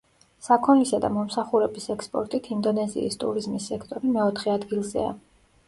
საქონლისა და მომსახურების ექსპორტით ინდონეზიის ტურიზმის სექტორი მეოთხე ადგილზეა.